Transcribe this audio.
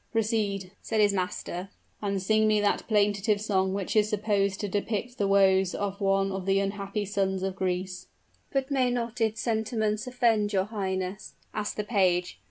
"Proceed," said his master, "and sing me that plaintive song which is supposed to depict the woes of one of the unhappy sons of Greece." "But may not its sentiments offend your highness?" asked the page.